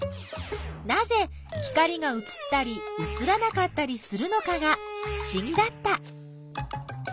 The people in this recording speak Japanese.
なぜ光がうつったりうつらなかったりするのかがふしぎだった。